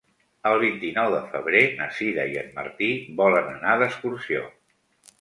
El vint-i-nou de febrer na Sira i en Martí volen anar d'excursió.